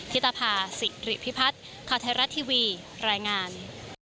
ธิตภาษิริพิพัทคทรทรัศน์ทีวีรายงาน